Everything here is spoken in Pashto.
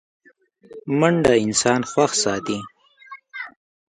منډه انسان خوښ ساتي